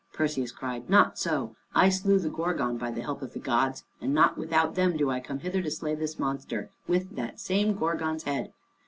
Perseus cried, "Not so: I slew the Gorgon by the help of the gods, and not without them do I come hither to slay this monster, with that same Gorgon's head.